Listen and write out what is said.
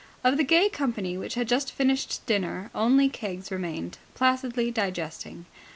Of the gay company which had just finished dinner only Keggs remained, placidly digesting.